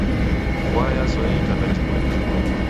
Vua yazoya itanda jimweri jimweri.